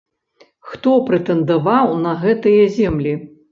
Хто прэтэндаваў на гэтыя землі?